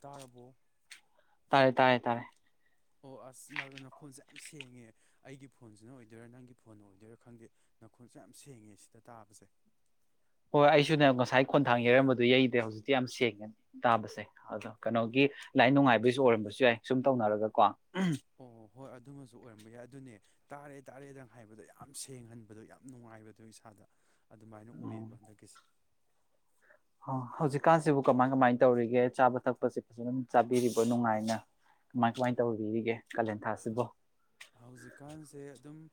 ꯇꯥꯔꯕꯣ ꯇꯥꯏꯌꯦ ꯇꯥꯔꯦ ꯇꯥꯔꯦ ꯑꯣ ꯑꯁ ꯅꯈꯣꯜꯁꯦ ꯌꯥꯝ ꯁꯦꯡꯉꯦ ꯑꯩꯒꯤ ꯐꯣꯟꯁꯤꯅ ꯑꯣꯏꯗꯣꯏꯔꯥ ꯅꯪꯒꯤ ꯐꯣꯟ ꯑꯣꯏꯗꯣꯏꯔꯥ ꯈꯪꯗꯦ ꯅꯈꯣꯜꯁꯨ ꯌꯥꯝ ꯁꯦꯡꯉꯦ ꯁꯤꯗ ꯇꯥꯕꯁꯦ ꯍꯣꯏ ꯑꯩꯁꯨꯅꯦ ꯉꯁꯥꯏ ꯈꯣꯟꯊꯥꯡ ꯌꯩꯔꯝꯕꯗꯨꯣ ꯌꯩꯗꯦ ꯍꯧꯖꯤꯛꯇꯤ ꯌꯥꯝ ꯁꯦꯡꯉꯦ ꯇꯥꯕꯁꯦ ꯑꯗꯣ ꯀꯩꯅꯣꯒꯤ ꯂꯥꯏꯟ ꯅꯨꯡꯉꯥꯏꯕꯁꯨ ꯑꯣꯏꯔꯝꯕꯁꯨ ꯌꯥꯏ ꯁꯨꯝ ꯇꯧꯅꯔꯒꯀꯣ ꯑꯣ ꯍꯣꯏ ꯑꯗꯨꯃꯁꯨ ꯑꯣꯏꯔꯝꯕ ꯌꯥꯏ ꯑꯗꯨꯅꯦ ꯇꯥꯔꯦ ꯇꯥꯔꯦꯗꯪ ꯍꯥꯏꯕꯗꯣ ꯌꯥꯝ ꯁꯦꯡꯍꯟꯕꯗꯣ ꯌꯥꯝ ꯅꯨꯡꯉꯥꯏꯕꯗꯣ ꯏꯁꯥꯗ ꯑꯗꯨꯃꯥꯏꯅ ꯑꯣꯏꯌꯦꯕ ꯍꯟꯗꯛꯀꯤꯁꯦ ꯑꯣ ꯍꯧꯖꯤꯛꯀꯥꯟꯁꯤꯕꯨ ꯀꯃꯥꯏ ꯀꯃꯥꯏꯅ ꯇꯧꯔꯤꯒꯦ ꯆꯥꯕ ꯊꯛꯄꯁꯤ ꯐꯖꯅ ꯆꯥꯕꯤꯔꯤꯕꯣ ꯅꯨꯡꯉꯥꯏꯅ ꯀꯃꯥꯏ ꯀꯃꯥꯏꯅ ꯇꯧꯕꯤꯔꯤꯒꯦ ꯀꯥꯂꯦꯟꯊꯥꯁꯤꯕꯨ ꯍꯧꯖꯤꯛꯀꯥꯟꯁꯦ ꯑꯗꯨꯝ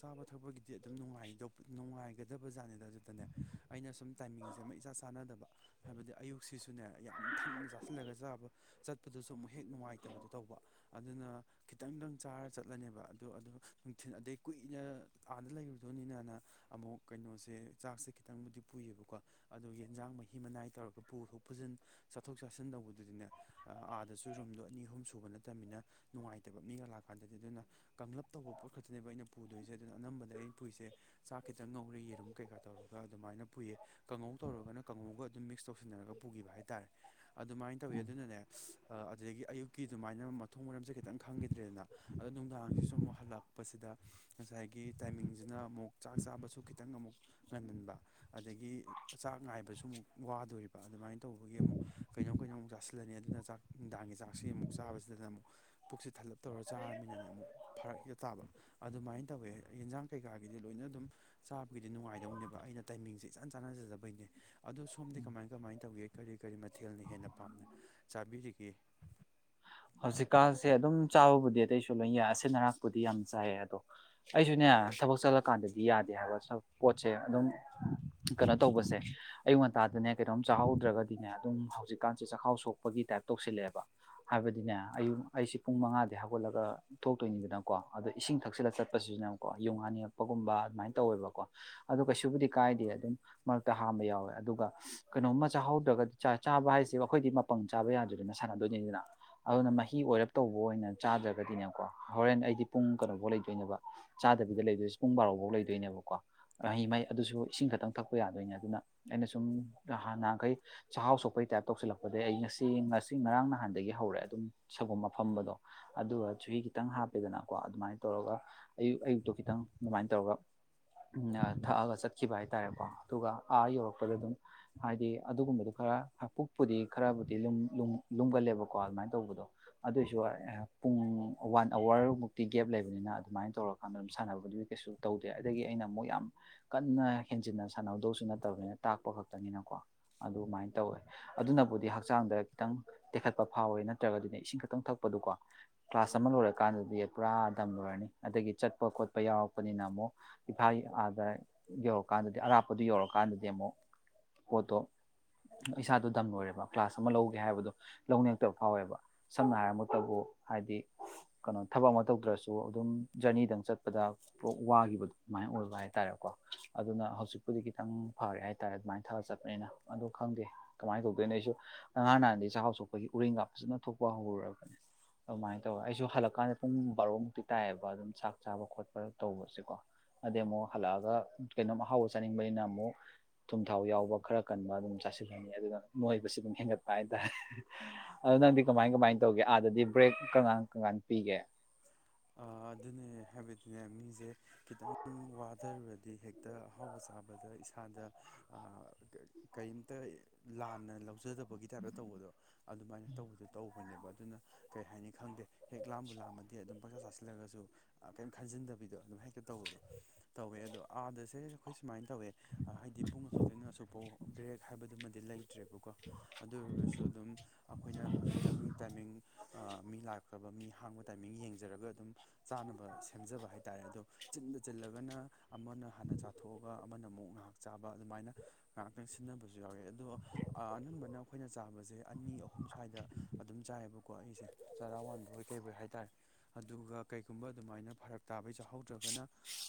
ꯆꯥꯕ ꯊꯛꯄꯒꯤꯗꯤ ꯑꯗꯨꯝ ꯅꯨꯡꯉꯥꯏꯗ ꯅꯨꯡꯉꯥꯏꯒꯗꯕꯖꯥꯠꯅꯤꯗ ꯑꯗꯨꯗꯅꯦ ꯑꯩꯅ ꯁꯨꯝ ꯇꯥꯏꯃꯤꯡꯁꯦ ꯑꯃ ꯏꯆꯥꯟ ꯆꯥꯟꯅꯗꯕ ꯍꯥꯏꯕꯗꯤ ꯑꯌꯨꯛꯁꯤꯁꯨꯅꯦ ꯌꯥꯝ ꯊꯟꯅ ꯆꯥꯁꯤꯜꯂꯒ ꯆꯥꯕ ꯆꯠꯄꯗꯨꯁꯨ ꯑꯃꯨꯛ ꯍꯦꯛ ꯅꯨꯡꯉꯥꯏꯇꯕꯗꯣ ꯇꯧꯕ ꯑꯗꯨꯅ ꯈꯤꯇꯪꯗꯪ ꯆꯥꯔ ꯆꯠꯂꯅꯦꯕ ꯑꯗꯣ ꯑꯗꯣ ꯅꯨꯡꯊꯤꯜ ꯑꯗꯩ ꯀꯨꯏꯅ ꯑꯥꯗ ꯂꯩꯔꯨꯗꯧꯅꯤꯅꯅ ꯑꯃꯨꯛ ꯀꯩꯅꯣꯁꯦ ꯆꯥꯛꯁꯦ ꯈꯤꯇꯪꯕꯨꯗꯤ ꯄꯨꯏꯌꯦꯕꯀꯣ ꯑꯣ ꯌꯦꯟꯖꯥꯡ ꯃꯍꯤ ꯃꯅꯥꯏ ꯇꯧꯔꯒ ꯄꯨꯊꯣꯛ ꯄꯨꯁꯤꯟ ꯆꯥꯊꯣꯛ ꯆꯥꯁꯤꯟ ꯇꯧꯕꯗꯨꯗꯤꯅꯦ ꯑꯥꯗꯁꯨ ꯔꯨꯝꯗꯣ ꯑꯅꯤ ꯑꯍꯨꯝ ꯁꯨꯕ ꯅꯠꯇꯕꯅꯤꯅ ꯅꯨꯡꯉꯥꯏꯇꯕ ꯃꯤꯒ ꯂꯥꯛꯄ ꯑꯗꯨꯗꯤ ꯑꯗꯨꯅ ꯀꯥꯡꯂꯨꯞꯞ ꯇꯧꯕ ꯄꯣꯠ ꯈꯛꯇꯅꯦꯕ ꯑꯩꯅ ꯄꯨꯗꯣꯏꯁꯦ ꯑꯗꯨꯅ ꯑꯅꯝꯕꯗ ꯑꯩꯅ ꯄꯨꯏꯁꯦ ꯆꯥꯛ ꯈꯤꯇꯪ ꯉꯧꯔꯦ ꯌꯦꯔꯨꯝ ꯀꯩꯀꯥ ꯇꯧꯔꯒ ꯑꯗꯨꯃꯥꯏꯅ ꯄꯨꯏꯌꯦ ꯀꯥꯡꯉꯧ ꯇꯧꯔꯒꯅ ꯀꯥꯡꯉꯧꯒ ꯑꯗꯨꯝ ꯃꯤꯛꯁ ꯇꯧꯁꯤꯟꯅꯔꯒ ꯄꯨꯈꯤꯕ ꯍꯥꯏꯇꯥꯔꯦ ꯑꯗꯨꯃꯥꯏꯅ ꯇꯧꯋꯦ ꯎꯝ ꯑꯗꯨꯅꯅꯦ ꯑꯗꯨꯗꯒꯤ ꯑꯌꯨꯛꯀꯤ ꯑꯗꯨꯃꯥꯏꯅ ꯃꯊꯣꯡ ꯃꯔꯝꯁꯦ ꯈꯤꯇꯪ ꯈꯪꯈꯤꯗ꯭ꯔꯦꯗꯅ ꯑꯗꯣ ꯅꯨꯡꯗꯥꯡꯁꯤꯁꯨ ꯑꯃꯨꯛ ꯍꯜꯂꯛꯄꯁꯤꯗ ꯉꯁꯥꯏꯒꯤ ꯇꯥꯏꯃꯤꯡꯁꯤꯅ ꯑꯃꯨꯛ ꯆꯥꯛ ꯆꯥꯕꯁꯨ ꯈꯤꯇꯪ ꯑꯃꯨꯛ ꯉꯟꯍꯟꯕ ꯑꯗꯒꯤ ꯆꯥꯛ ꯉꯥꯏꯕ ꯑꯗꯨꯁꯨ ꯑꯃꯨꯛ ꯋꯥꯗꯣꯔꯤꯕ ꯑꯗꯨꯃꯥꯏꯅ ꯇꯧꯕꯒꯤ ꯑꯃꯨꯛ ꯀꯩꯅꯣꯝ ꯀꯩꯅꯣꯝ ꯇꯥꯁꯤꯜꯂꯅꯤ ꯑꯗꯨꯅ ꯆꯥꯛ ꯅꯨꯡꯗꯥꯡꯒꯤ ꯆꯥꯛꯁꯤ ꯑꯃꯨꯛ ꯆꯥꯕꯁꯤꯗꯅ ꯑꯃꯨꯛ ꯄꯨꯛꯁꯤ ꯊꯜꯂꯞ ꯆꯥꯔꯃꯤꯅꯅꯦ ꯑꯃꯨꯛ ꯐꯔꯛ ꯍꯦꯛꯇ ꯇꯥꯕ ꯑꯗꯨꯃꯥꯏꯅ ꯇꯧꯋꯦ ꯌꯦꯟꯁꯥꯡ ꯀꯩꯀꯥꯒꯤꯗꯤ ꯂꯣꯏꯅ ꯑꯗꯨꯝ ꯆꯥꯕꯒꯤꯗꯤ ꯅꯨꯡꯉꯥꯏꯗꯧꯅꯦꯕ ꯑꯩꯅ ꯇꯥꯏꯃꯤꯡꯁꯦ ꯏꯆꯥꯟ ꯆꯥꯟꯅꯖꯗꯕꯩꯅꯦ ꯑꯗꯣ ꯁꯣꯝꯗꯤ ꯀꯃꯥꯏ ꯀꯃꯥꯏ ꯇꯧꯒꯦ ꯀꯔꯤ ꯀꯔꯤ ꯃꯊꯦꯜꯅ ꯍꯦꯟꯅ ꯄꯥꯝꯅ ꯆꯥꯕꯤꯔꯤꯒ ꯍꯧꯖꯤꯛꯀꯥꯟꯁꯦ ꯑꯗꯨꯝ ꯆꯥꯕꯕꯨꯗꯤ ꯑꯇꯩꯁꯨ ꯂꯣꯏ ꯌꯥꯏꯁ ꯑꯔꯥꯛꯄꯨꯗꯤ ꯌꯥꯝ ꯆꯥꯏꯌꯦ ꯑꯗꯣ ꯑꯩꯁꯨꯅꯦ ꯊꯕꯛ ꯆꯠꯂꯀꯥꯟꯗꯗꯤ ꯌꯥꯗꯦ ꯍꯥꯏꯕ ꯄꯣꯠꯁꯦ ꯑꯗꯨꯝ ꯀꯩꯅꯣ ꯇꯧꯕꯁꯦ ꯑꯌꯨꯛ ꯉꯟꯇꯥꯗꯅꯦ ꯀꯩꯅꯣꯝ ꯆꯥꯍꯧꯗ꯭ꯔꯒꯗꯤꯅꯦ ꯑꯗꯨꯝ ꯍꯧꯖꯤꯛꯀꯥꯟꯁꯦ ꯆꯥꯛꯈꯥꯎ ꯁꯣꯛꯄꯒꯤ ꯇꯥꯏꯞ ꯇꯧꯁꯤꯜꯂꯛꯑꯦꯕ ꯍꯥꯏꯕꯗꯤꯅꯦ ꯑꯌꯨꯛ ꯑꯩꯁꯤꯦ ꯄꯨꯡ ꯃꯉꯥꯗꯤ ꯍꯧꯒꯠꯂꯒ ꯊꯣꯛꯇꯣꯏꯅꯤꯗꯅꯀꯣ ꯑꯗꯣ ꯏꯁꯤꯡ ꯊꯛꯆꯤꯜꯂ ꯆꯠꯄꯁꯤꯗꯅꯦꯀꯣ ꯌꯨ ꯉꯥꯅꯤꯡꯉꯛꯄꯒꯨꯝꯕ ꯑꯗꯨꯃꯥꯏꯅ ꯇꯧꯋꯦꯕꯀꯣ ꯑꯗ ꯀꯩꯁꯨꯕꯨꯗꯤ ꯀꯥꯏꯗꯦ ꯑꯗꯨꯝ ꯃꯔꯛꯇ ꯍꯥꯝꯕ ꯌꯥꯎꯋꯦ ꯑꯗꯨꯒ ꯀꯩꯅꯣꯝꯃ ꯆꯥꯍꯧꯗ꯭ꯔꯒꯗꯤ ꯆꯥꯕ ꯍꯥꯏꯁꯦ ꯑꯩꯈꯣꯏꯗꯤ ꯃꯄꯪ ꯆꯥꯕ ꯌꯥꯗꯣꯏꯗꯅ ꯁꯥꯟꯅꯗꯣꯏꯅꯤꯗꯅ ꯑꯗꯨꯅ ꯃꯍꯤ ꯑꯣꯏꯔꯞ ꯇꯧꯕ ꯑꯣꯏꯅ ꯆꯥꯗ꯭ꯔꯒꯗꯤꯅꯦꯕꯀꯣ ꯍꯣꯔꯦꯟ ꯑꯩꯗꯤ ꯄꯨꯡ ꯀꯩꯅꯣꯐꯧ ꯂꯩꯗꯣꯏꯅꯦꯕ ꯆꯥꯗꯕꯤꯗ ꯂꯩꯗꯣꯏꯁꯦ ꯄꯨꯡ ꯕꯥꯔꯣ ꯐꯧ ꯂꯩꯗꯣꯏꯅꯦꯕꯀꯣ ꯃꯍꯤ ꯃꯍꯩ ꯑꯗꯨꯁꯨ ꯏꯁꯤꯡ ꯈꯛꯇꯪ ꯊꯛꯄ ꯌꯥꯗꯣꯏꯅꯦ ꯑꯗꯨꯅ ꯑꯩꯅ ꯁꯨꯝꯥꯟꯍꯥꯟꯈꯩ ꯆꯥꯛꯍꯥꯎ ꯁꯣꯛꯄꯩꯒꯤ ꯇꯥꯏꯞ ꯇꯧꯁꯤꯜꯂꯛꯄꯗꯒꯤꯩ ꯑꯩ ꯉꯁꯤ ꯉꯁꯤ ꯉꯔꯥꯡ ꯅꯍꯥꯟꯗꯒꯤ ꯍꯧꯔꯦ ꯑꯗꯨꯝ ꯁꯒꯣꯝ ꯃꯐꯝꯝꯕꯗꯣ ꯑꯗꯨꯒ ꯆꯨꯍꯤ ꯈꯤꯇꯪ ꯍꯥꯞꯄꯦꯗꯅꯀꯣ ꯑꯗꯨꯃꯥꯏꯅ ꯇꯧꯔꯒ ꯑꯌꯨꯛ ꯑꯌꯨꯛꯇꯣ ꯈꯤꯇꯪ ꯑꯗꯨꯃꯥꯏꯅ ꯇꯧꯔꯒ ꯊꯛꯑꯒ ꯆꯠꯈꯤꯕ ꯍꯥꯏꯇꯥꯔꯦꯀꯣ ꯑꯗꯨꯒ ꯑꯥ ꯌꯧꯔꯛꯄꯗ ꯑꯗꯨꯝ ꯍꯥꯏꯗꯤ ꯑꯗꯨꯒꯨꯝꯕꯗꯣ ꯈꯔ ꯄꯨꯛꯄꯨꯗꯤ ꯈꯔꯕꯨꯗꯤ ꯂꯨꯝꯒꯜꯂꯦꯕꯀ ꯀꯣ ꯑꯗꯨꯃꯥꯏꯅ ꯇꯧꯕꯗꯣ ꯑꯗꯨꯑꯣꯏꯁꯨ ꯄꯨꯡ ꯋꯥꯟ ꯑꯋꯥꯔꯃꯨꯛꯇꯤ ꯒꯦꯞ ꯂꯩꯕꯅꯤꯅ ꯑꯗꯨꯃꯥꯏꯅ ꯇꯧꯔꯀꯥꯟꯗ ꯑꯗꯨꯝ ꯁꯥꯟꯅꯕꯗꯨꯗꯤ ꯀꯩꯁꯨ ꯇꯧꯗꯦ ꯑꯗꯒꯤ ꯑꯩꯅ ꯑꯃꯨꯛ ꯌꯥꯝ ꯀꯟꯅ ꯍꯦꯟꯖꯤꯟꯅ ꯁꯥꯟꯅꯍꯧꯗꯧꯁꯨ ꯅꯠꯇꯕꯅꯤꯅ ꯇꯥꯛꯄ ꯈꯛꯇꯪꯅꯤꯅꯀꯣ ꯑꯗꯨꯃꯥꯏꯅ ꯇꯧꯋꯦ ꯑꯗꯨꯅꯕꯨꯗꯤ ꯍꯛꯆꯥꯡꯗ ꯈꯤꯇꯪ ꯇꯦꯛꯈꯠ ꯆꯠꯄ ꯐꯥꯎꯋꯦ ꯅꯠꯇ꯭ꯔꯒꯗꯤꯅꯦ ꯏꯁꯤꯡ ꯈꯛꯇꯪ ꯊꯛꯄꯗꯨꯀꯣ ꯀ꯭ꯂꯥꯁ ꯑꯃ ꯂꯣꯏꯔꯀꯥꯟꯗꯗꯤ ꯄꯨꯔꯥ ꯗꯝꯂꯣꯏꯔꯅꯤ ꯑꯗꯒꯤ ꯆꯠꯄ ꯈꯣꯠꯄ ꯌꯥꯎꯔꯛꯄꯅꯤꯅ ꯑꯃꯨꯛ ꯏꯐꯥꯒꯤ ꯑꯥꯗ ꯌꯧꯔꯀꯥꯟꯗꯗꯤ ꯑꯔꯥꯞꯄꯗꯨ ꯌꯧꯔꯀꯥꯟꯗꯗꯤ ꯑꯃꯨꯛ ꯄꯣꯠꯇꯣ ꯏꯁꯥꯗꯣ ꯗꯝꯂꯣꯏꯔꯦꯕ ꯀ꯭ꯂꯥꯁ ꯑꯃ ꯂꯧꯒꯦ ꯍꯥꯏꯕꯗꯣ ꯂꯧꯅꯤꯡꯉꯛꯇꯕ ꯐꯥꯎꯋꯦꯕ ꯁꯝꯅ ꯍꯥꯏꯔꯕꯃꯗꯕꯨ ꯍꯥꯏꯗꯤ ꯀꯩꯅꯣ ꯊꯕꯛ ꯑꯃ ꯇꯧꯗ꯭ꯔꯁꯨ ꯑꯗꯨꯝ ꯖꯔꯅꯤꯗꯪ ꯆꯠꯄꯗ ꯄꯨ ꯋꯥꯈꯤꯕ ꯑꯗꯨꯃꯥꯏꯅ ꯑꯣꯏꯕ ꯍꯥꯏꯇꯥꯔꯦꯀꯣ ꯑꯗꯨꯅ ꯍꯧꯖꯤꯛꯄꯨꯗꯤ ꯈꯤꯇꯪ ꯐꯔꯦ ꯍꯥꯏꯇꯥꯔꯦ ꯑꯗꯨꯃꯥꯏꯅ ꯊ ꯆꯠꯄꯅꯤꯅ ꯑꯗꯣ ꯈꯪꯗꯦ ꯀꯃꯥꯏꯅ ꯇꯧꯗꯣꯏꯅꯣ ꯑꯩꯁꯨ ꯑꯉꯥꯟꯍꯥꯟꯗꯩ ꯆꯥꯛꯍꯥꯎ ꯑꯩꯈꯣꯏꯒꯤ ꯎꯔꯤꯦꯡꯒꯥꯞ ꯐꯖꯅ ꯊꯣꯛꯄ ꯍꯧꯔꯨꯔꯕꯅꯦ ꯑꯗꯨꯃꯥꯏꯅ ꯇꯧꯔ ꯑꯩꯁꯨ ꯍꯜꯂꯛꯀꯥꯟꯗ ꯄꯨꯡ ꯕꯥꯔꯣꯃꯨꯛꯇꯤ ꯇꯥꯏꯌꯦꯕ ꯑꯗꯨꯝ ꯆꯥꯛ ꯆꯥꯕ ꯈꯣꯠꯄ ꯇꯧꯕꯁꯦꯀꯣ ꯑꯗꯩ ꯑꯃꯨꯛ ꯍꯜꯂꯛꯑꯒ ꯀꯩꯅꯣꯝ ꯑꯍꯥꯎꯕ ꯆꯥꯅꯤꯡꯕꯅꯤꯅ ꯑꯃꯨꯛ ꯊꯨꯝ ꯊꯥꯎ ꯌꯥꯎꯕ ꯈꯔ ꯀꯟꯕ ꯑꯗꯨꯝ ꯆꯥꯁꯤꯜꯂꯅꯤ ꯑꯗꯨꯒ ꯅꯣꯏꯕꯁꯤ ꯑꯗꯨꯝ ꯍꯦꯟꯒꯠꯄ ꯍꯥꯏꯇꯥꯔꯦ ꯑꯗꯨ ꯅꯪꯗꯤ ꯀꯃꯥꯏ ꯀꯃꯥꯏꯅ ꯇꯧꯒꯦ ꯑꯥꯗꯗꯤ ꯕ꯭ꯔꯦꯛ ꯀꯀꯥꯟ ꯀꯀꯥꯟ ꯄꯤꯒꯦ ꯑꯗꯨꯅꯦ ꯍꯥꯏꯕꯗꯤꯅꯦ ꯃꯤꯁꯦ ꯈꯤꯇꯪ ꯋꯥꯊꯔꯨꯔꯗꯤ ꯍꯦꯛꯇ ꯑꯍꯥꯎꯕ ꯆꯥꯕꯗ ꯏꯁꯥꯗ ꯀꯔꯤꯝꯇ ꯂꯥꯟꯅ ꯂꯧꯖꯗꯕ ꯒꯤ ꯇꯥꯏꯞꯇ ꯇꯧꯕꯗꯣ ꯑꯗꯨꯃꯥꯏꯅ ꯇꯧꯕꯗꯨꯣ ꯇꯧꯕ ꯑꯩꯈꯣꯏꯅꯦꯕ ꯑꯗꯨꯅ ꯀꯔꯤ ꯍꯥꯏꯅꯤ ꯈꯪꯗꯦ ꯍꯦꯛ ꯂꯥꯝꯕꯨ ꯂꯥꯝꯃꯗꯤ ꯑꯗꯨꯝ ꯆꯥꯛ ꯆꯥꯁꯤꯜꯂꯒꯁꯨ ꯀꯔꯤꯝ ꯈꯟꯖꯤꯟꯗꯕꯤꯗꯣ ꯑꯗꯨꯝ ꯍꯦꯛꯇ ꯇꯧꯕꯗꯣ ꯇꯧꯋꯦ ꯑꯗꯣ ꯑꯥꯗꯁꯦ ꯑꯩꯈꯣꯏ ꯁꯨꯃꯥꯏꯅ ꯇꯧꯋꯦ ꯍꯥꯏꯗꯤ ꯄꯨꯡ ꯑꯁꯨ ꯇꯣꯏꯅ ꯑꯁꯨꯛ ꯄꯥꯎ ꯕ꯭ꯔꯦꯛ ꯍꯥꯏꯕꯗꯨꯃꯗꯤ ꯂꯩꯇ꯭ꯔꯦꯕꯀꯣ ꯑꯗꯨ ꯑꯣꯏꯔꯒꯁꯨ ꯑꯗꯨꯝ ꯑꯩꯈꯣꯏꯅ ꯈꯤꯇꯪ ꯇꯥꯏꯃꯤꯡ ꯃꯤ ꯂꯥꯛꯈ꯭ꯔꯕ ꯃꯤ ꯍꯥꯡꯕ ꯇꯥꯏꯃꯤꯡ ꯌꯦꯡꯦ ꯐꯖꯔꯒ ꯑꯗꯨꯝ ꯆꯥꯅꯕ ꯁꯦꯝꯖꯕ ꯍꯥꯏꯇꯥꯥꯔꯦ ꯑꯗꯣ ꯆꯤꯟꯗ ꯆꯤꯜꯂꯒꯅ ꯑꯃꯅ ꯍꯥꯟꯅ ꯆꯥꯊꯣꯛꯑꯒ ꯑꯃꯅ ꯑꯃꯨꯛ ꯉꯥꯏꯍꯥꯛ ꯆꯥꯕ ꯑꯗꯨꯃꯥꯏꯅ ꯉꯥꯏꯍꯥꯛꯇꯪ ꯁꯤꯟꯅꯕꯁꯨ ꯌꯥꯎꯋꯦ ꯑꯗꯣ ꯑꯅꯝꯕꯅ ꯑꯩꯈꯣꯏꯅ ꯆꯥꯕꯁꯦ ꯑꯅꯤ ꯑꯍꯨꯝ ꯁ꯭ꯋꯥꯏꯗ ꯑꯗꯨꯝ ꯆꯥꯏꯑꯌꯦꯕꯀꯣ ꯑꯩꯁꯦ ꯆꯥꯔꯥ ꯋꯥꯟꯕ ꯍꯣꯏ ꯀꯩꯕꯩ ꯍꯥꯏꯇꯥꯔꯦ ꯑꯗꯨꯒ ꯀꯩꯒꯨꯝꯕ ꯑꯗꯨꯃꯥꯏꯅ ꯐꯔꯛ ꯇꯥꯕꯩ ꯆꯎꯋ ꯍꯧꯗ꯭ꯔꯒꯅ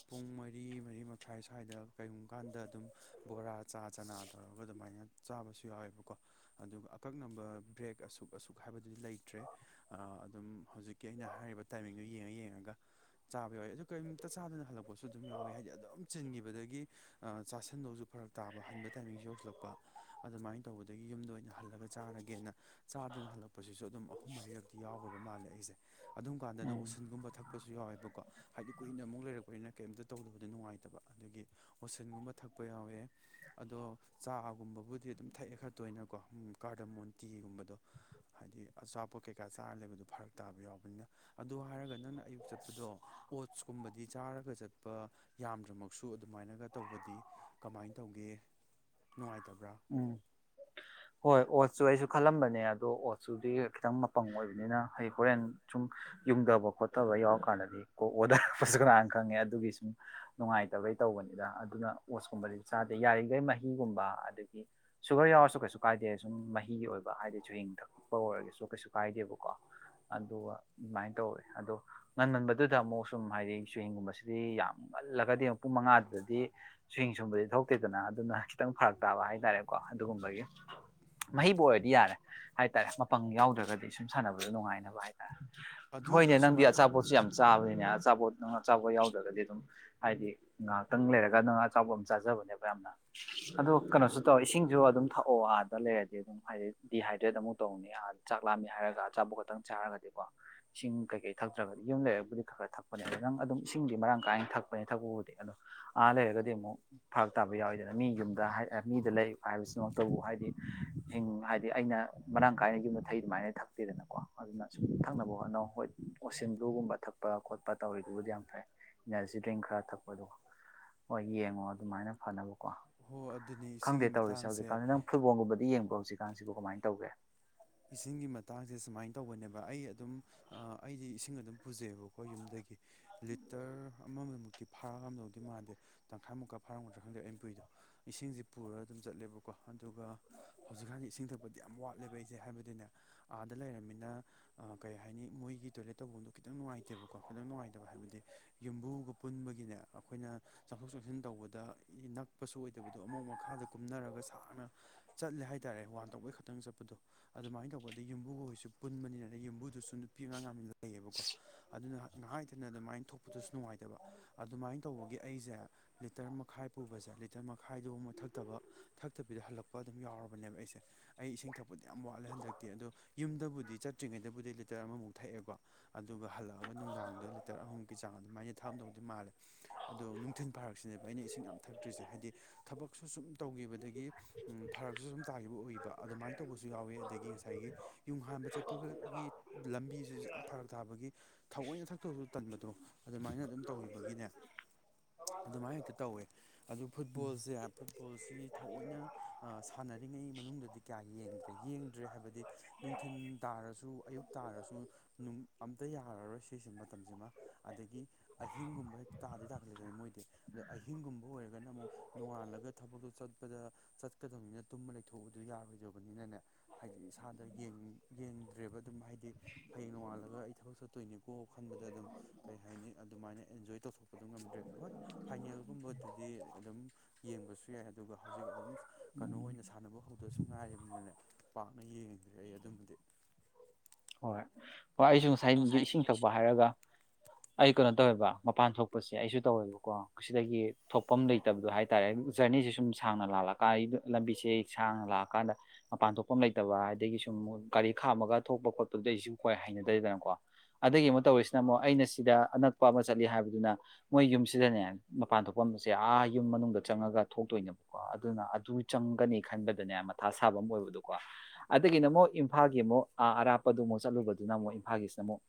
ꯄꯨꯡ ꯃꯔꯤ ꯃꯔꯤ ꯃꯈꯥꯏ ꯁ꯭ꯋꯥꯏꯗ ꯀꯩꯒꯨꯝꯕ ꯀꯥꯟꯗ ꯑꯗꯨꯝ ꯕꯣꯔꯥ ꯆꯥ ꯆꯅꯥ ꯇꯧꯔꯒ ꯑꯗꯨꯃꯥꯏꯅ ꯆꯥꯕꯁꯨ ꯌꯥꯎꯋꯦꯕꯀꯣ ꯑꯗꯨꯒ ꯑꯀꯛꯅꯕ ꯕ꯭ꯔꯦꯛ ꯑꯁꯨꯛ ꯑꯁꯨꯛ ꯍꯥꯏꯕꯗꯨꯗꯤ ꯂꯩꯇ꯭ꯔꯦ ꯑꯗꯨꯝ ꯍꯧꯖꯤꯛꯀꯤ ꯑꯩꯅ ꯍꯥꯏꯔꯤꯕ ꯇꯥꯏꯃꯤꯡꯗꯨꯣ ꯌꯦꯡꯉ ꯌꯦꯡꯉꯒ ꯆꯥꯕ ꯌꯥꯎꯋꯤ ꯑꯗꯨ ꯀꯔꯤꯝꯇ ꯆꯥꯗꯅ ꯍꯜꯂꯛꯄ ꯄꯣꯠꯁꯨ ꯑꯗꯨꯝ ꯌꯥꯎꯋꯤ ꯍꯥꯏꯗꯤ ꯑꯗꯨꯝ ꯆꯤꯟꯈꯤꯕꯗꯒꯤ ꯆꯥꯁꯟꯗꯧꯁꯨ ꯐꯔꯛ ꯇꯥꯕ ꯍꯟꯕ ꯇꯥꯏꯃꯤꯡꯁꯨ ꯌꯧꯁꯤꯜꯂꯛꯄ ꯑꯗꯨꯃꯥꯏꯅ ꯇꯧꯕꯗꯒꯤ ꯌꯨꯝꯗ ꯑꯣꯏꯅ ꯍꯜꯂ ꯆꯔꯒꯦ ꯆꯥ ꯍꯂꯛꯄꯁꯤꯁꯨ ꯑꯗꯨꯝ ꯑꯍꯨꯝ ꯃꯔꯤꯗꯤ ꯌꯥꯎꯈ꯭ꯔꯕ ꯃꯥꯜꯂꯦ ꯑꯩꯁꯦ ꯑꯗꯨꯝ ꯀꯥꯟꯗꯅ ꯎꯝ ꯑꯣꯁꯤꯟꯒꯨꯝꯕ ꯊꯛꯄꯁꯨ ꯌꯥꯎꯋꯦꯕꯀꯣ ꯍꯥꯏꯗꯤ ꯀꯨꯏꯅ ꯑꯃꯨꯛ ꯂꯩꯔꯛꯄ ꯑꯗꯨꯥꯏꯅ ꯀꯩꯝꯇ ꯇꯧꯗꯕꯗ ꯅꯨꯡꯉꯥꯏꯇꯕ ꯑꯗꯒꯤ ꯍꯣꯁꯟꯒꯨꯝꯕ ꯊꯛꯄ ꯌꯥꯎꯋꯦ ꯑꯗꯣ ꯆꯥꯒꯨꯝꯕꯕꯨꯗꯤ ꯑꯗꯨꯝ ꯊꯛꯑꯦ ꯈꯔ ꯇꯣꯏꯅꯀꯣ ꯀꯥꯔꯗꯃꯣꯟ ꯇꯤꯒꯨꯝꯕꯗꯣ ꯍꯥꯏꯗꯤ ꯑꯆꯥꯄꯣꯠ ꯀꯩꯀꯥ ꯆꯥꯔ ꯂꯩꯕꯗꯣ ꯐꯔꯛ ꯇꯥꯕ ꯌꯥꯎꯕꯅꯤꯅ ꯑꯗꯨ ꯍꯥꯏꯔꯒꯗꯤ ꯅꯪꯅ ꯑꯌꯨꯛ ꯆꯠꯄꯗꯣ ꯑꯣꯠꯁꯀꯨꯝꯕꯗꯤ ꯆꯥꯔꯒ ꯆꯠꯄ ꯌꯥꯝꯗ꯭ꯔꯃꯛꯁꯨ ꯑꯗꯨꯃꯥꯏꯅꯒ ꯇꯧꯕꯗꯤ ꯀꯃꯥꯏꯅ ꯇꯧꯒꯦ ꯅꯨꯡꯉꯥꯏ ꯎꯝ ꯍꯣꯏ ꯑꯣꯁꯨꯁꯨ ꯈꯜꯂꯝꯕꯅꯦ ꯑꯗꯣ ꯑꯣꯠꯁꯇꯨꯗꯤ ꯈꯤꯇꯪ ꯃꯄꯪ ꯑꯣꯏꯕꯅꯤꯅ ꯑꯩ ꯍꯣꯔꯦꯟ ꯁꯨꯝ ꯌꯨꯡꯗꯕ ꯈꯣꯠꯇꯕ ꯌꯥꯎꯔꯀꯥꯟꯗꯗꯤ ꯀꯣ ꯑꯣꯗꯔꯛꯄꯁꯨ ꯀꯅꯥꯅ ꯈꯪꯉꯦ ꯑꯗꯨꯒꯤ ꯁꯨꯝ ꯅꯨꯡꯉꯥꯏꯇꯕꯩ ꯇꯧꯕꯅꯤꯗ ꯑꯗꯨꯅ ꯑꯣꯠꯁꯀꯨꯝꯕꯗꯤ ꯆꯥꯗꯦ ꯌꯥꯔꯤꯈꯩ ꯃꯍꯤꯒꯨꯝꯕ ꯑꯗꯒꯤ ꯁꯨꯒꯔ ꯌꯥꯎꯔꯁꯨ ꯀꯩꯁꯨ ꯀꯥꯏꯗꯦ ꯁꯨꯝ ꯃꯍꯤ ꯑꯣꯏꯕ ꯍꯥꯏꯗꯤꯁꯨ ꯍꯤꯡꯊ ꯀꯄ ꯑꯣꯏꯔꯒꯁꯨ ꯀꯩꯁꯨ ꯀꯥꯏꯗꯦꯕꯀꯣ ꯑꯗꯨꯒ ꯑꯗꯨꯃꯥꯏꯅ ꯇꯧꯋꯦ ꯑꯗꯣ ꯉꯟꯃꯟꯕꯗꯨꯗ ꯑꯃꯨꯛ ꯁꯨꯝ ꯍꯥꯏꯗꯤ ꯆꯨꯍꯤꯡꯒꯨꯝꯕꯁꯤꯗꯤ ꯌꯥꯝ ꯉꯜꯂꯒꯗꯤ ꯑꯃꯨꯛ ꯄꯨꯡ ꯃꯉꯥꯗꯨꯗꯗꯤ ꯆꯨꯋꯍꯤꯡ ꯁꯨꯝꯕꯗꯤ ꯊꯣꯛꯇꯦꯗꯅ ꯑꯗꯨꯅ ꯈꯤꯇꯪ ꯐꯔꯛ ꯇꯥꯕ ꯍꯥꯏꯗꯤ ꯍꯥꯏꯇꯥꯔꯦꯀꯣ ꯑꯗꯨꯒꯨꯝꯕꯒꯤ ꯃꯍꯩꯕꯨ ꯑꯣꯏꯔꯗꯤ ꯌꯥꯔꯦ ꯍꯥꯏꯇꯥꯔꯦ ꯃꯄꯪ ꯌꯥꯎꯗ꯭ꯔꯒꯗꯤ ꯁꯨꯝ ꯁꯥꯟꯅꯕꯗ ꯅꯨꯡꯉꯥꯏꯅꯕ ꯍꯥꯏꯇꯥꯔꯦ ꯍꯣꯏꯅꯦ ꯑꯗꯨꯗꯣ ꯅꯪꯗꯤ ꯁꯨꯃꯥꯏ ꯑꯆꯥꯄꯣꯠꯁꯨ ꯌꯥꯝ ꯆꯥꯕꯅꯤꯅꯦ ꯑꯆꯥꯄꯣꯠ ꯅ ꯉꯥ ꯑ ꯆꯥꯕ ꯌꯥꯎꯗ꯭ꯔꯒꯗꯤ ꯑꯗꯨꯝ ꯍꯥꯏꯗꯤ ꯉꯥꯏꯍꯥꯛꯇꯪ ꯂꯩꯔꯒ ꯅ ꯉꯥ ꯑꯆꯕ ꯑꯃ ꯆꯥꯖꯕꯅꯦꯕ ꯌꯥꯝꯅ ꯑꯗꯣ ꯀꯩꯅꯣꯁꯨ ꯇꯧ ꯏꯁꯤꯡꯁꯨ ꯑꯗꯨꯝ ꯊꯛꯑꯣ ꯑꯥꯗ ꯂꯩꯔꯗꯤ ꯑꯗꯨꯝ ꯍꯥꯏꯗꯤ ꯗꯤꯍꯥꯏꯗ꯭ꯔꯦꯠ ꯑꯃꯨꯛ ꯇꯧꯅꯤ ꯑ ꯆꯥꯛ ꯂꯥꯝꯃꯤ ꯍꯥꯏꯔꯒ ꯑꯆꯥꯐ ꯈꯛꯇꯪ ꯆꯥꯔꯒꯗꯤꯀꯣ ꯏꯁꯤꯡ ꯀꯩꯀꯩ ꯊꯛꯇ꯭ꯔꯒꯗꯤ ꯌꯨꯝ ꯂꯩꯔꯒꯕꯨꯗꯤ ꯈꯔ ꯈꯔ ꯊꯛꯄꯅꯦ ꯑꯗꯣ ꯅꯪ ꯑꯗꯨꯝ ꯏꯁꯤꯡꯗꯤ ꯃꯔꯥꯡ ꯀꯥꯏꯅ ꯊꯛꯄꯅꯦ ꯊꯛꯄꯕꯨꯗꯤ ꯑꯗꯣ ꯑꯥ ꯂꯩꯔꯒꯗꯤ ꯑꯃꯨꯛ ꯐꯔꯛ ꯇꯥꯕ ꯌꯥꯎꯋꯤꯗꯅ ꯃꯤ ꯌꯨꯝꯗ ꯍꯥꯏ ꯑ ꯃꯤꯗ ꯂꯩ ꯍꯥꯏꯕꯁꯤꯃꯛꯇꯕꯨ ꯍꯥꯏꯗꯤ ꯍꯤꯡ ꯍꯥꯏꯗꯤ ꯑꯩꯅ ꯃꯔꯥꯡ ꯀꯥꯏꯅ ꯌꯨꯝꯕ ꯊꯩ ꯑꯗꯨꯃꯥꯏꯅ ꯊꯛꯇꯦꯗꯅꯀꯣ ꯑꯗꯨꯅ ꯁꯨꯝ ꯊꯛꯅꯕ ꯍꯣꯠꯅꯧ ꯍꯣꯏ ꯑꯣꯁꯤꯟ ꯕ꯭ꯂꯨꯒꯨꯝꯕ ꯊꯛꯄ ꯈꯣꯠꯄ ꯇꯧꯔꯤꯗꯨꯕꯨꯗꯤ ꯌꯥꯝ ꯐꯩ ꯏꯅꯔꯖꯤ ꯗ꯭ꯔꯤꯡ ꯈꯔ ꯊꯛꯄꯗꯣ ꯍꯣꯏ ꯌꯦꯡꯉꯣ ꯑꯗꯨꯃꯥꯏꯅ ꯐꯅꯕꯣꯠ ꯍꯣ ꯑꯗꯨꯅꯤ ꯈꯪꯗꯦ ꯁꯤꯒꯤ ꯇꯔꯤꯦ ꯃꯇꯥꯡꯁꯦ ꯍꯧꯛꯀꯥꯟꯗꯤ ꯅꯪ ꯐꯨꯕꯣꯜꯒꯨꯝꯕꯗꯤ ꯌꯦꯡꯕ ꯍꯧꯖꯤꯛꯀꯥꯟꯁꯤꯕꯨ ꯀꯃꯥꯏꯅ ꯇꯧꯒꯦ ꯏꯁꯤꯡꯒꯤ ꯃꯇꯥꯡꯁꯦ ꯁꯨꯃꯥꯏꯅ ꯇꯧꯕꯅꯦꯕ ꯑꯩ ꯑꯗꯨꯝ ꯑꯩꯗꯤ ꯏꯁꯤꯡ ꯑꯗꯨꯝ ꯄꯨꯖꯩꯑꯕꯀꯣ ꯌꯨꯝꯗꯒꯤ ꯂꯤꯇꯔ ꯑꯃꯝ ꯇꯤ ꯐꯥꯔꯑꯝꯗꯧꯗꯤ ꯃꯥꯟꯗꯦ ꯇꯪꯈꯥꯏꯃꯨꯛꯀ ꯐꯥꯔꯝꯒꯗ꯭ꯔ ꯈꯪꯗꯦ ꯑꯩ ꯏꯄꯨꯏꯗꯣ ꯏꯁꯤꯡꯁꯤ ꯄꯨꯔꯒ ꯑꯗꯨꯝ ꯆꯠꯂꯦꯕꯀꯣ ꯑꯗꯨꯒ ꯍꯧꯖꯤꯛꯀꯥꯟꯗꯤ ꯏꯁꯤꯡ ꯊꯛꯄꯗꯤ ꯌꯥꯝ ꯋꯥꯠꯂꯤꯦꯕ ꯑꯩ ꯍꯥꯏꯕꯅꯦ ꯑꯥꯗ ꯂꯩꯔꯅꯤꯅ ꯀꯩ ꯍꯥꯏꯅꯤ ꯃꯣꯏꯒꯤ ꯇꯣꯏꯂꯦ ꯇꯧꯕ ꯈꯤꯇꯪ ꯅꯨꯡꯉꯥꯏꯇꯦꯕꯀꯣ ꯈꯤꯇꯪ ꯅꯨꯡꯉꯥꯏꯇꯕ ꯍꯥꯏꯕꯗꯤ ꯌꯨꯝꯕꯨꯒ ꯄꯨꯟꯕꯒꯤꯅꯦ ꯑꯩꯈꯣꯏꯅ ꯆꯪꯊꯣꯛ ꯆꯪꯁꯤꯟ ꯇꯧꯕꯗ ꯅꯛꯄꯁꯨ ꯑꯣꯏꯗꯕꯗꯣ ꯑꯃꯨꯛ ꯃꯈꯥꯗ ꯀꯨꯝꯅꯔꯒ ꯁꯥꯡꯅ ꯆꯠꯂꯦ ꯍꯥꯏꯇꯥꯔꯦ ꯋꯥꯟ ꯇꯧꯕꯩ ꯈꯛꯇꯪ ꯆꯠꯄꯗꯣ ꯑꯗꯨꯃꯥꯏꯅ ꯇꯧꯕꯗ ꯌꯨꯝꯕꯨꯒ ꯍꯣꯏꯁꯨ ꯄꯨꯟꯕꯅꯤꯅ ꯌꯨꯝꯕꯨꯗꯨꯁꯨ ꯅꯨꯄꯤ ꯑꯉꯥꯡ ꯌꯥꯝ ꯂꯩꯌꯦꯕꯀꯣ ꯑꯗꯨꯅ ꯉꯥꯏꯍꯥꯏꯇꯅ ꯑꯗꯨꯃꯥꯏꯅ ꯊꯣꯛꯣꯛꯄꯗꯨꯁꯨ ꯅꯨꯡꯉꯥꯏꯇꯕ ꯑꯗꯨꯃꯥꯏꯅ ꯇꯧꯕꯒꯤ ꯑꯩꯁꯦ ꯂꯤꯇꯔ ꯃꯈꯥꯏ ꯄꯨꯕꯁꯦ ꯂꯤꯇꯔ ꯃꯈꯥꯏꯗꯨ ꯃꯣꯏ ꯊꯛꯇꯕ ꯊꯛꯇꯕꯤꯗ ꯍꯜꯂꯛꯄ ꯑꯗꯨꯝ ꯌꯥꯎꯔꯕꯅꯦꯕ ꯑꯩꯁꯦ ꯑꯩ ꯏꯁꯤꯡ ꯊꯛ ꯌꯥꯝ ꯋꯥꯠꯂꯦ ꯍꯟꯗꯛꯇꯤ ꯑꯗꯣ ꯌꯨꯝꯗꯕꯨꯗꯤ ꯆꯠꯇ꯭ꯔꯤꯉꯩꯗꯕꯨꯗꯤ ꯂꯤꯇꯔ ꯑꯃꯃꯨꯛ ꯊꯛꯑꯦꯀꯣ ꯑꯗꯨꯒ ꯍꯜꯂꯛꯑꯒ ꯅꯨꯡꯗꯥꯡꯗ ꯂꯤꯇꯔ ꯑꯍꯨꯝꯃꯨꯛꯀꯤ ꯆꯥꯡ ꯑꯗꯨꯃꯥꯏꯅ ꯊꯝꯗꯧꯗꯤ ꯃꯥꯜꯂꯦ ꯑꯗꯣ ꯅꯨꯡꯊꯤꯜ ꯐꯥꯔꯛꯁꯤꯅꯦꯕ ꯑꯩꯅ ꯏꯁꯤꯡ ꯌꯥꯝ ꯊꯛꯇ꯭ꯔꯤꯁꯦ ꯍꯥꯏꯗꯤ ꯊꯕꯛꯁꯨ ꯁꯨꯝ ꯇꯧꯈꯤꯕꯗꯒꯤ ꯐꯥꯔꯛꯁꯨ ꯁꯨꯝ ꯇꯥꯈꯤꯕ ꯎꯏꯕ ꯑꯗꯨꯃꯥꯏꯅ ꯇꯧꯕꯁꯨ ꯌꯥꯎꯋꯤ ꯑꯗꯒꯤ ꯉꯁꯥꯏꯒꯤ ꯌꯨꯝ ꯍꯥꯟꯕ ꯆꯠꯄꯒꯤ ꯂꯝꯕꯤꯁꯤꯁꯨ ꯌꯥꯝ ꯐꯔꯛ ꯇꯥꯕꯒꯤ ꯊꯑꯣꯏꯅ ꯊꯛꯇꯕꯁꯨ ꯗꯣ ꯑꯗꯨꯃꯥꯏꯅ ꯑꯗꯨꯝ ꯇꯧꯈꯤꯕꯒꯤꯅꯦ ꯑꯗꯨꯃꯥꯏꯅ ꯍꯦꯛꯇ ꯇꯧꯋꯦ ꯑꯗꯨ ꯐꯨꯠꯕꯣꯜꯁꯦ ꯐꯨꯠꯕꯣꯜꯁꯤ ꯊꯑꯣꯏꯅ ꯁꯥꯟꯅꯔꯤꯉꯩ ꯃꯅꯨꯡꯗꯗꯤ ꯀꯌꯥ ꯌꯦꯡꯗ꯭ꯔꯦ ꯌꯦꯡꯗ꯭ꯔꯦ ꯍꯥꯏꯕꯗꯤ ꯅꯨꯡꯊꯤꯜ ꯇꯥꯔꯁꯨ ꯑꯌꯨꯛ ꯇꯥꯔꯁꯨ ꯑꯝꯇ ꯌꯥꯔꯔꯣꯏ ꯁꯤꯁꯤ ꯃꯇꯝꯗ ꯁꯤꯃ ꯑꯗꯒꯤ ꯑꯍꯤꯡꯒꯨꯝꯕ ꯍꯦꯛ ꯇꯥꯗꯩ ꯇꯥꯈꯠꯂꯗꯅ ꯃꯣꯏꯗꯤ ꯑꯗꯣ ꯑꯍꯤꯡꯒꯨꯝꯕ ꯑꯣꯏꯔꯒꯅ ꯑꯃꯨꯛ ꯅꯣꯡꯉꯥꯜꯂꯒ ꯊꯕꯛꯇꯣ ꯆꯠꯄꯗ ꯆꯠꯀꯗꯕꯅꯤꯅ ꯇꯨꯝꯕ ꯂꯩꯊꯣꯛꯑꯗꯨ ꯌꯥꯔꯣꯏꯗꯣꯏꯕ ꯑꯗꯨꯅꯤ ꯍꯥꯏꯗꯤ ꯏꯁꯥꯗ ꯌꯦꯡꯗ꯭ꯔꯦꯕ ꯑꯗꯨꯝ ꯍꯥꯏꯗꯤ ꯍꯌꯦꯡ ꯅꯣꯡꯉꯥꯜꯂꯒ ꯑꯩ ꯊꯕꯛ ꯆꯠꯇꯣꯏꯅꯤꯀꯣ ꯈꯟꯕꯗ ꯑꯗꯨꯝ ꯀꯩ ꯍꯥꯏꯅꯤ ꯑꯗꯨꯃꯥꯏꯅ ꯖꯣꯏ ꯇꯧꯊꯣꯛꯄꯗꯨ ꯉꯝꯗ꯭ꯔꯦ ꯍꯣꯏ ꯐꯥꯏꯅꯦꯜꯒꯨꯝꯕꯗꯗꯤ ꯑꯗꯨꯝ ꯌꯦꯡꯕꯁꯨ ꯌꯥꯏ ꯑꯗꯨꯒ ꯍꯧꯖꯤꯛ ꯑꯗꯨꯝ ꯀꯩꯅꯣ ꯑꯣꯏꯅ ꯁꯥꯟꯅꯕ ꯍꯧꯗꯁꯨ ꯉꯥꯏꯔꯤꯕ ꯄꯥꯛꯅ ꯌꯦꯡꯗ꯭ꯔꯦ ꯑꯩ ꯑꯗꯨꯝꯕꯗꯤ ꯍꯣꯏ ꯑꯩꯁꯨ ꯉꯁꯥꯏ ꯏꯁꯤꯡ ꯊꯛꯄ ꯍꯥꯏꯔꯒ ꯑꯩ ꯀꯩꯅꯣ ꯇꯧꯋꯦꯕ ꯃꯄꯥꯟ ꯊꯣꯛꯄꯁꯦ ꯑꯩꯁꯨ ꯇꯧꯋꯦꯕꯀꯣ ꯁꯤꯗꯒꯤ ꯊꯣꯛꯐꯝ ꯂꯩꯇꯕꯗꯣ ꯍꯥꯏꯇꯥꯔꯦ ꯖꯔꯅꯤꯁꯦ ꯁꯨꯝ ꯁꯥꯡꯅ ꯂꯥꯛꯂꯀꯥꯟ ꯂꯝꯕꯤꯁꯦ ꯁꯥꯡꯅ ꯂꯥꯛꯑꯀꯥꯟꯗ ꯃꯄꯥꯟ ꯊꯣꯛꯐꯝ ꯂꯩꯇꯕ ꯑꯗꯒꯤ ꯁꯨꯝ ꯒꯥꯔꯤ ꯈꯥꯝꯃꯒ ꯊꯣꯛꯄ ꯈꯣꯠꯄ ꯑꯗꯨꯗ ꯑꯩꯁꯨ ꯀꯏ ꯍꯥꯏꯅꯗꯔꯤꯦꯗꯅꯀꯣ ꯑꯗꯒꯤ ꯑꯃꯨꯛ ꯇꯧꯔꯤꯁꯤꯅ ꯑꯃꯨꯛ ꯑꯩꯅ ꯁꯤꯗ ꯑꯅꯛꯄ ꯑꯃ ꯆꯠꯂꯤ ꯍꯥꯏꯕꯗꯨꯅ ꯃꯣꯏ ꯌꯨꯝꯁꯤꯗꯅꯦ ꯃꯄꯥꯟ ꯊꯣꯛꯐꯝꯁꯦ ꯑꯥ ꯌꯨꯝ ꯃꯅꯨꯡꯗ ꯆꯪꯉꯒ ꯊꯣꯛꯇꯣꯏꯅꯦꯕꯀꯣ ꯑꯗꯨꯅ ꯑꯗꯨ ꯆꯪꯒꯅꯤ ꯈꯟꯕꯗꯅꯦ ꯃꯊꯥ ꯁꯥꯕ ꯑꯃ ꯑꯣꯏꯕꯗꯣꯀꯣ ꯑꯗꯒꯤꯅ ꯑꯃꯨꯛ ꯏꯝꯐꯥꯜꯒꯤ ꯑꯃꯨꯛ ꯑꯥ ꯑꯔꯥꯞꯄ ꯀꯄꯗꯨ ꯑꯃꯨꯛ ꯆꯠꯂꯨꯕꯗꯨꯅ ꯑꯃꯨꯛ ꯏꯝꯐꯥꯜꯒꯤꯁꯤꯅ ꯑꯃꯨꯛ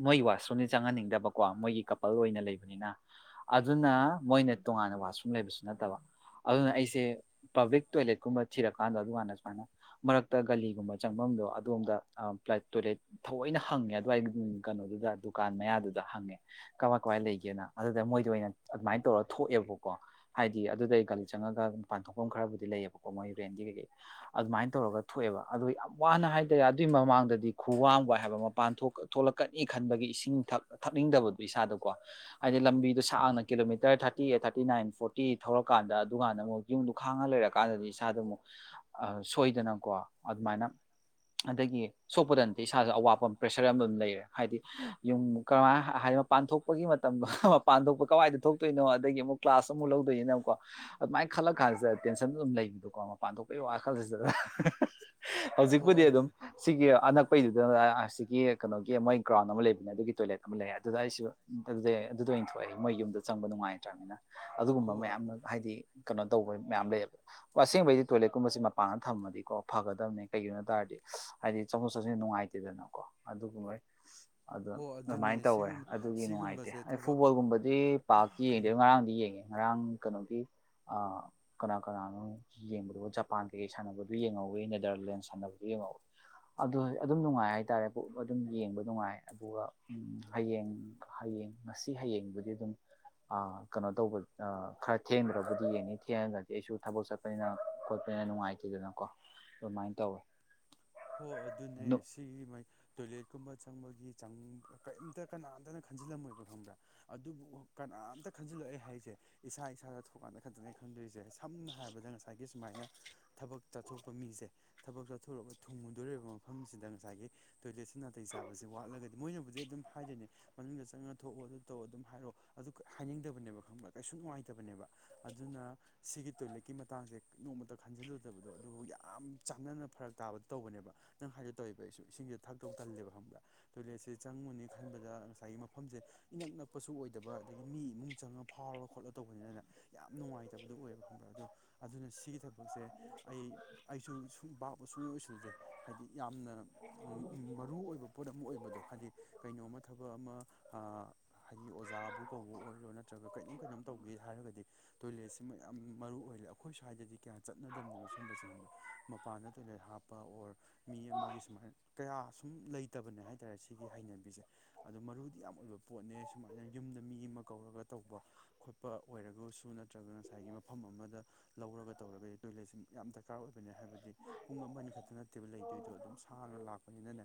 ꯃꯣꯏꯒꯤ ꯋꯥꯁꯔꯨꯝꯁꯦ ꯆꯪꯍꯟꯅꯤꯡꯗꯕꯀꯣ ꯃꯣꯏꯒꯤ ꯀꯄꯜ ꯑꯣꯏꯅ ꯂꯩꯕꯅꯤꯅ ꯑꯗꯨꯅ ꯃꯣꯏꯅ ꯇꯣꯉꯥꯟꯅ ꯋꯥꯁꯔꯨꯝ ꯂꯩꯕꯁꯨ ꯅꯠꯇꯕ ꯑꯗꯨꯅ ꯑꯩꯁꯦ ꯄꯕ꯭ꯂꯤꯛ ꯇꯣꯏꯂꯦꯠꯀꯨꯝꯕ ꯊꯤꯔꯀꯥꯟꯗ ꯑꯗꯨꯀꯥꯟꯗ ꯁꯨꯃꯥꯏꯅ ꯃꯔꯛꯇ ꯒꯂꯤꯒꯨꯝꯕ ꯆꯪꯐꯝꯗꯣ ꯑꯗꯣꯝꯗ ꯇꯣꯏꯂꯦꯠ ꯊꯑꯣꯏꯅ ꯍꯪꯉꯦ ꯑꯗꯨꯋꯥꯏ ꯀꯩꯅꯣꯗꯨꯗ ꯗꯨꯀꯥꯟ ꯃꯌꯥꯗꯨꯗ ꯍꯪꯉꯦ ꯀꯃꯥꯏ ꯀꯃꯏ ꯂꯩꯒꯦꯅ ꯑꯗꯨꯗ ꯃꯣꯏꯗ ꯑꯣꯏꯅ ꯑꯗꯨꯃꯥꯏꯅ ꯇꯧꯔ ꯊꯣꯛꯑꯦꯕꯀꯣ ꯍꯥꯏꯗꯤ ꯑꯗꯨꯗꯩ ꯒꯥꯔꯤ ꯆꯪꯉꯒ ꯃꯄꯥꯟ ꯊꯣꯛꯐꯝ ꯈꯔꯕꯨꯗꯤ ꯂꯩꯌꯦꯕꯀꯣ ꯃꯣꯏ ꯔꯦꯟꯗꯤ ꯀꯩꯀꯩ ꯑꯗꯨꯃꯥꯏꯅ ꯇꯧꯔꯒ ꯊꯣꯛꯑꯦꯕ ꯑꯗꯨꯗꯣ ꯌꯥꯝ ꯋꯥꯅ ꯍꯥꯏꯇꯥꯔꯦ ꯑꯗꯨꯏ ꯃꯃꯥꯡꯗꯗꯤ ꯍꯋꯥꯡꯕ ꯍꯥꯏꯕ ꯃꯄꯥꯟ ꯊꯣꯛ ꯊꯣꯛꯂꯛꯀꯅꯤ ꯈꯟꯕꯒꯤ ꯏꯁꯤꯡ ꯊꯛꯅꯤꯡꯗꯕꯗꯨꯣ ꯏꯁꯥꯗꯀꯣ ꯍꯥꯏꯗꯤ ꯂꯝꯕꯤꯗꯣ ꯁꯥꯡꯅ kilometre thirty eight thirty nine forty ꯊꯧꯔꯀꯥꯟꯗ ꯑꯗꯨꯀꯥꯟꯗ ꯑꯃꯨꯛ ꯌꯨꯝꯗꯨ ꯈꯥꯡꯉ ꯂꯩꯔꯀꯥꯟꯗꯗꯤ ꯏꯁꯥꯗ ꯑꯃꯨꯛ ꯁꯣꯏꯗꯅꯀꯣ ꯑꯗꯨꯃꯥꯏꯅ ꯑꯗꯒꯤ ꯁꯣꯄꯗꯟ ꯏꯁꯥꯁꯨ ꯑꯋꯥꯠꯄ ꯑꯃ ꯄ꯭ꯔꯦꯁꯔ ꯑꯃ ꯑꯗꯨꯝ ꯂꯩꯔꯦ ꯍꯥꯏꯗꯤ ꯌꯨꯝ ꯀꯃꯥꯏ ꯍꯥꯏꯗꯤ ꯃꯄꯥꯟ ꯊꯣꯛꯄꯒꯤ ꯃꯇꯝꯗꯣ ꯃꯄꯥꯟ ꯊꯣꯛꯄ ꯀꯋꯥꯏꯗ ꯊꯣꯛꯇꯣꯏꯅꯣ ꯑꯗꯒꯤ ꯑꯃꯨꯛ ꯀ꯭ꯂꯥꯁ ꯑꯃꯨꯛ ꯂꯧꯗꯣꯏꯅꯣꯀꯣ ꯑꯗꯨꯃꯥꯏꯅ ꯈꯜꯂ ꯀꯥꯟꯁꯤꯗ ꯇꯦꯟꯁꯟ ꯑꯗꯨꯝ ꯂꯩꯕꯗꯣꯀꯣ ꯃꯄꯥꯟ ꯊꯣꯛꯄꯒꯤ ꯋꯥꯈꯜꯁꯤꯗ ꯍꯣ ꯍꯧꯖꯤꯛꯄꯨꯗꯤ ꯑꯗꯨ ꯑꯗꯨꯝ ꯁꯤꯒꯤ ꯑꯅꯛꯄꯩꯗꯨꯗ ꯑꯁꯤꯒꯤ ꯀꯩꯅꯣꯒꯤ ꯃꯣꯏ ꯒ꯭ꯔꯥꯎꯟ ꯑꯃ ꯂꯩꯕꯅꯦ ꯑꯗꯨꯒꯤ ꯇꯣꯏꯂꯦꯠ ꯑꯃ ꯂꯩꯦ ꯑꯗꯨꯗ ꯑꯩꯁꯨ ꯑꯗꯨꯗꯩ ꯑꯗꯨꯗ ꯑꯣꯏꯅ ꯊꯣꯛꯑꯏ ꯃꯣꯏ ꯌꯨꯝꯗ ꯆꯪꯕ ꯅꯨꯡꯉꯥꯏꯇ꯭ꯔꯕꯅꯤꯅ ꯑꯗꯨꯒꯨꯝꯕ ꯍꯣ ꯃꯌꯥꯝ ꯍꯥꯏꯗꯤ ꯀꯩꯅꯣ ꯇꯧꯕ ꯃꯌꯥꯝ ꯂꯩꯌꯦꯕ ꯑꯁꯦꯡꯕꯩꯗꯤ ꯇꯣꯏꯂꯦꯠ ꯀꯨꯝꯕꯁꯤꯦ ꯃꯄꯥꯟꯗ ꯊꯝꯃꯗꯤꯀꯣ ꯐꯒꯗꯕꯅꯦ ꯀꯩꯒꯤꯅꯣ ꯇꯥꯔꯗꯤ ꯍꯥꯏꯗꯤ ꯆꯠꯊꯣꯛ ꯆꯠꯁꯤꯟ ꯅꯨꯡꯉꯥꯏꯇꯦꯗꯅꯀꯣ ꯑꯗꯨꯒꯕꯣꯏ ꯑꯗꯣ ꯍꯣ ꯑꯗꯨꯅꯦ ꯑꯗꯨꯃꯥꯏꯅ ꯇꯧꯋꯦ ꯁꯤꯒꯨꯝ ꯑꯗꯨꯒꯤ ꯅꯨꯡꯉꯥꯏꯇꯦ ꯁꯤꯒꯨꯝꯕꯁꯦ ꯑꯩ ꯊꯕꯛ ꯐꯨꯠꯕꯣꯜꯒꯨꯝꯕꯗꯤ ꯃꯥ ꯄꯥꯔꯀꯤ ꯀꯩꯅꯣ ꯌꯦꯡꯗꯦꯕ ꯉꯔꯥꯡꯗꯤ ꯌꯦꯡꯉꯦ ꯉꯔꯥꯡ ꯀꯩꯅꯣꯒꯤ ꯀꯅꯥ ꯀꯅꯥꯅꯣ ꯌꯦꯡꯕꯗꯨꯣ ꯖꯄꯥꯟ ꯀꯩꯀꯩ ꯁꯥꯟꯅꯕꯗꯨ ꯌꯦꯡꯍꯧꯋꯤ ꯅꯦꯗꯔꯂꯦꯟ ꯁꯥꯟꯅꯕꯗꯨ ꯌꯦꯡꯍꯧꯤ ꯑꯗꯨ ꯑꯗꯨꯝ ꯅꯨꯡꯉꯥꯏ ꯍꯥꯏꯇꯥꯔꯦ ꯄꯨ ꯑꯗꯨꯝ ꯌꯦꯡꯕ ꯅꯨꯡꯉꯥꯏ ꯑꯗꯨꯒ ꯍꯌꯦꯡ ꯍꯌꯦꯡ ꯉꯁꯤ ꯍꯌꯦꯡꯕꯨꯗꯤ ꯑꯗꯨꯝ ꯀꯩꯅꯣ ꯇꯧꯕ ꯈꯔ ꯊꯦꯡꯗ꯭ꯔꯕꯨꯗꯤ ꯌꯦꯡꯅꯤ ꯊꯦꯡꯅꯗ꯭ꯔꯗꯤ ꯑꯩꯁꯨ ꯊꯕꯛ ꯆꯠꯄꯅꯤꯅ ꯈꯣꯠꯄꯅꯤꯅ ꯅꯨꯡꯉꯥꯏꯇꯦꯗꯅꯀꯣ ꯑꯗꯨꯃꯥꯏꯅ ꯇꯧꯋꯦ ꯍꯣ ꯑꯗꯨꯅꯦ ꯁꯤ ꯇꯣꯏ ꯀꯒꯨꯝꯕ ꯆꯪꯕꯒꯤ ꯆꯪ ꯀꯔꯤꯝꯇ ꯀꯅꯥꯝꯇꯅ ꯈꯟꯖꯤꯜꯂꯝꯃꯣꯏꯕ ꯈꯪꯕ꯭ꯔꯥ ꯑꯗꯨꯕꯨ ꯀꯅꯥꯝꯇ ꯈꯟꯖꯤꯜꯂꯛꯑꯦ ꯍꯥꯏꯁꯦ ꯏꯁꯥ ꯏꯁꯥꯗ ꯊꯣꯛꯀꯥꯟꯗ ꯈꯟꯖꯅꯦ ꯈꯪꯗꯣꯏꯦ ꯁꯦ ꯁꯝꯅ ꯍꯥꯏꯔꯕꯗ ꯉꯁꯥꯏꯒꯤ ꯁꯨꯃꯥꯏꯅ ꯊꯕꯛ ꯆꯠꯊꯣꯛꯄ ꯃꯤꯁꯦ ꯊꯕꯛ ꯆꯠꯊꯣꯔꯒ ꯊꯨꯡꯉꯨꯗꯣꯔꯤꯕ ꯃꯐꯝꯁꯤꯗ ꯉꯁꯥꯏꯒꯤ ꯇꯣꯏꯂꯦꯠꯁꯤ ꯅꯥꯇꯩ ꯆꯥꯕꯕꯁꯤ ꯋꯥꯠꯂꯒꯗꯤ ꯃꯣꯏꯅꯕꯨꯗꯤ ꯑꯗꯨꯝ ꯍꯥꯏꯗꯣꯏꯅꯦ ꯃꯅꯨꯡꯗ ꯆꯪꯉ ꯊꯣꯛꯑꯣ ꯑꯗꯨ ꯇꯧ ꯑꯗꯨꯝ ꯍꯥꯏꯔꯛꯑꯣ ꯑꯗꯨ ꯍꯥꯏꯅꯤꯡꯗꯕꯅꯦꯕ ꯈꯪꯕ ꯀꯩꯁꯨ ꯅꯨꯡꯉꯥꯏꯇ ꯕꯅꯦꯕ ꯑꯗꯨꯅ ꯁꯤ ꯇꯣꯏꯦꯀꯤ ꯃꯇꯥꯡꯁꯦꯃ ꯈꯂ ꯐꯠꯇꯕꯗꯣ ꯑꯗꯨꯕꯨ ꯌꯥꯝ ꯆꯥꯡꯅꯅ ꯐꯔꯛ ꯇꯥꯕꯗꯣ ꯇꯧꯕꯅꯦꯕ ꯅꯪ ꯍꯥꯏꯒꯦ ꯇꯧꯦꯕ ꯑꯩꯁꯨ ꯏꯁꯤꯡꯁꯦ ꯊꯛꯇꯧ ꯇꯜꯂꯦꯕ ꯈꯪꯕꯗ ꯇꯣꯏꯂꯦꯠꯁꯦ ꯆꯪꯉꯨꯅꯤ ꯈꯟꯕꯗ ꯉꯁꯥꯏꯒꯤ ꯃꯐꯝꯁꯦ ꯏꯅꯛ ꯅꯛꯄꯁꯨ ꯑꯣꯏꯗꯕ ꯑꯗꯒꯤ ꯃꯤ ꯏꯃꯨꯡ ꯆꯪꯉ ꯐꯥꯎꯔꯒ ꯈꯣꯠꯂꯣ ꯇꯧꯕꯅꯤꯅꯅ ꯌꯥꯝ ꯅꯨꯡꯉꯥꯏꯇꯕꯗꯨꯣ ꯑꯣꯏꯌꯦꯕ ꯈꯪꯕ꯭ꯔꯥ ꯑꯗꯣ ꯑꯗꯨꯅ ꯁꯤꯒꯤ ꯊꯕꯛꯁꯦ ꯑꯩ ꯑꯩꯁꯨ ꯁꯨꯡ ꯁꯨꯡ ꯑꯣꯏꯁꯤꯜꯁꯦ ꯍꯥꯏꯗꯤ ꯌꯥꯝꯅ ꯃꯔꯨ ꯑꯣꯏꯕ ꯄꯣꯠ ꯑꯃ ꯑꯣꯏꯕꯗꯣ ꯍꯥꯏꯗꯤ ꯀꯩꯅꯣꯝꯃ ꯊꯕꯛ ꯑꯃ ꯍꯥꯏꯗꯤ ꯑꯣꯖꯥꯕꯨ ꯀꯧꯕ ꯑꯣꯏꯔꯣ ꯅꯠꯇ꯭ꯔꯒ ꯀꯩꯅꯣꯝ ꯀꯩꯅꯣꯝ ꯇꯧꯒꯦ ꯍꯥꯏꯔꯒꯗꯤ ꯁꯤꯃ ꯌꯥꯝ ꯃꯔꯨ ꯑꯣꯏꯔꯦ ꯑꯩꯈꯣꯏ ꯁ꯭ꯋꯥꯏꯗꯗꯤ ꯀꯌꯥ ꯆꯠꯅꯗꯝꯅꯦꯕ ꯁꯕ ꯃꯄꯥꯟꯗ ꯇꯣꯏꯂꯦꯠ ꯍꯥꯞꯄ ꯑꯣꯔ ꯃꯤ ꯑꯃꯒꯤ ꯁꯨꯃꯥꯏꯅ ꯀꯌꯥ ꯁꯨꯝ ꯂꯩꯇꯕꯅꯦ ꯍꯥꯏꯇꯥꯔꯦ ꯁꯤꯒꯤ ꯍꯩꯅꯕꯤꯁꯦ ꯑꯗꯣ ꯃꯔꯨꯗꯤ ꯌꯥꯝ ꯑꯣꯏꯕ ꯄꯣꯠꯅꯦ ꯁꯨꯃꯥꯏꯅ ꯌꯨꯝꯗ ꯃꯤ ꯑꯃ ꯀꯧꯔꯒ ꯇꯧꯕ ꯈꯣꯠꯄ ꯑꯣꯏꯔꯒꯁꯨ ꯅꯠꯇ꯭ꯔꯒ ꯉꯁꯥꯏꯒꯤ ꯃꯐꯝ ꯑꯃꯗ ꯂꯧꯔꯒ ꯇꯧꯔꯒꯗꯤ ꯇꯣꯏꯂꯦꯠꯁꯤ ꯌꯥꯝ ꯗꯔꯀꯥꯔ ꯑꯣꯏꯕꯅꯦ ꯍꯥꯏꯕꯗꯤ ꯄꯨꯡ ꯑꯃ ꯑꯅꯤ ꯈꯛꯇ ꯅꯠꯇꯦꯕ ꯂꯩꯗꯣꯏꯗꯣ ꯑꯗꯨꯝ ꯁꯥꯡꯅ ꯂꯥꯛꯄꯅꯤꯅꯅꯦ